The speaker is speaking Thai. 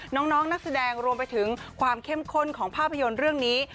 น้องนักแสดงรวมไปถึงความเข้มข้นของภาพยนตร์เรื่องนี้